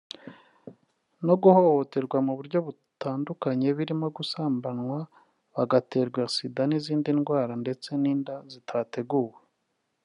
no guhohoterwa mu buryo butandukanye birimo gusambanywa bagaterwa Sida n’izindi ndwara ndetse n’inda zitateguwe